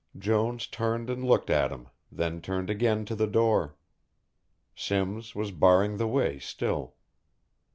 Jones turned and looked at him, then turned again to the door. Simms was barring the way still.